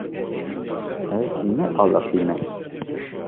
Ez nealiqîme.